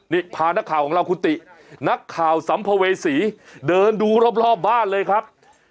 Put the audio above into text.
นี่พานักข่าวของเราคุณตินักข่าวสัมภเวษีเดินดูรอบบ้านเลยครับ